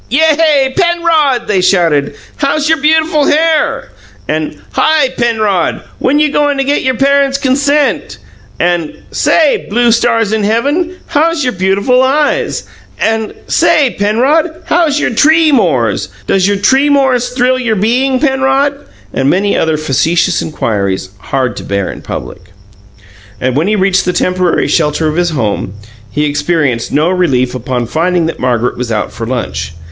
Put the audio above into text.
"Yay, Penrod!" they shouted. "How's your beautiful hair?" And, "Hi, Penrod! When you goin' to get your parents' consent?" And, "Say, blue stars in heaven, how's your beautiful eyes?" And, "Say, Penrod, how's your tree mores?" "Does your tree mores thrill your bein', Penrod?" And many other facetious inquiries, hard to bear in public. And when he reached the temporary shelter of his home, he experienced no relief upon finding that Margaret was out for lunch.